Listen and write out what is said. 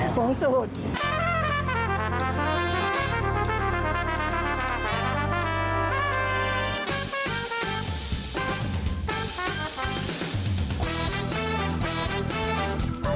หวงสูตร